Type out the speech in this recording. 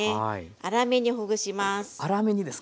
粗めにほぐします。